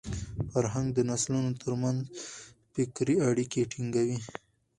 فرهنګ د نسلونو تر منځ فکري اړیکه ټینګوي.